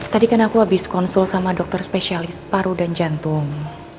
tadi kan aku habis konsul sama dokter spesialis paru dan jantung